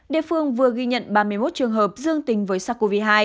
địa phương vừa ghi nhận ba mươi một trường hợp dương tính với sars cov hai